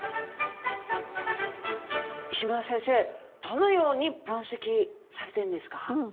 どのように分析されてるんですか？